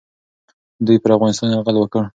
دوی پر افغانستان یرغل وکړ.